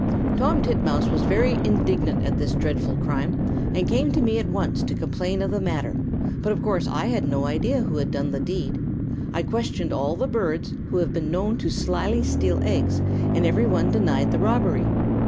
"Tom Titmouse was very indignant at this dreadful crime, and came to me at once to complain of the matter; but of course I had no idea who had done the deed. I questioned all the birds who have ever been known to slyly steal eggs, and every one denied the robbery.